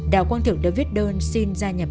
đào quang thực đã viết đơn xin gia nhập